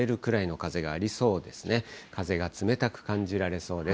風が冷たく感じられそうです。